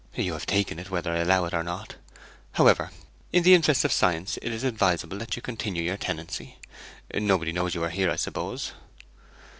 'You have taken it, whether I allow it or not. However, in the interests of science it is advisable that you continue your tenancy. Nobody knows you are here, I suppose?'